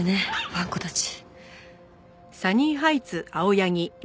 わんこたち。